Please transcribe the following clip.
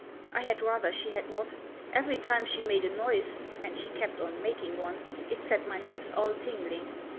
I had rather she had not. Every time she made a noise — and she kept on making one — it set my nerves all tingling.